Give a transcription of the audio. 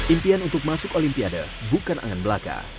impian untuk masuk olimpiade bukan angan belaka